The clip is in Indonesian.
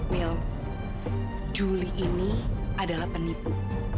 mil julie ini adalah penipu